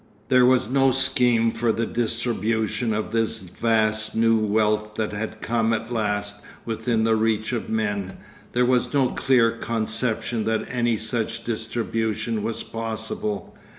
There was no scheme for the distribution of this vast new wealth that had come at last within the reach of men; there was no clear conception that any such distribution was possible.